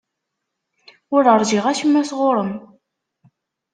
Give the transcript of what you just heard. Ur ṛjiɣ acemma sɣur-m.